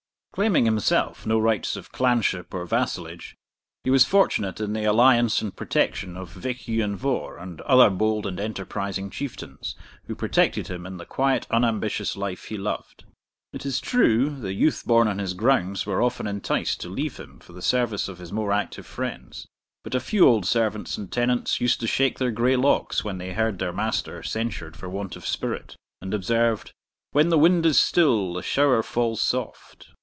Claiming himself no rights of clanship or vassalage, he was fortunate in the alliance and protection of Vich Ian Vohr and other bold and enterprising Chieftains, who protected him in the quiet unambitious life he loved. It is true, the youth born on his grounds were often enticed to leave him for the service of his more active friends; but a few old servants and tenants used to shake their grey locks when they heard their master censured for want of spirit, and observed, 'When the wind is still, the shower falls soft.'